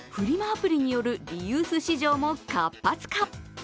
アプリによるリユース市場も活発化。